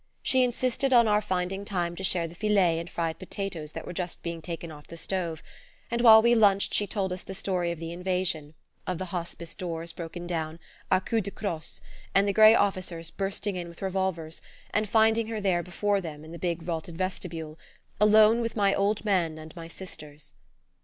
She insisted on our finding time to share the filet and fried potatoes that were just being taken off the stove, and while we lunched she told us the story of the invasion of the Hospice doors broken down "a coups de crosse" and the grey officers bursting in with revolvers, and finding her there before them, in the big vaulted vestibule, "alone with my old men and my Sisters."